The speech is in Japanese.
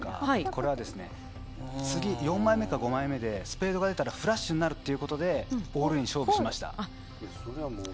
これは次、４枚目か５枚目でスペードが出たらフラッシュになるということでオールイン勝負しました。